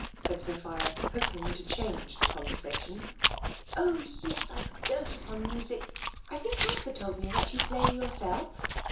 *' said Sophia, hoping ta change the conversation. •*• Oh ! yes, — I doat upon music ! I think* Arthur told me that you play yourself?''